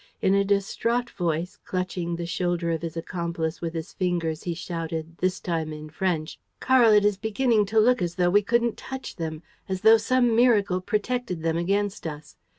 In a distraught voice, clutching the shoulder of his accomplice with his fingers, he shouted, this time in French: "Karl, it is beginning to look as though we couldn't touch them, as though some miracle protected them against us.